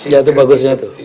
ya itu bagusnya tuh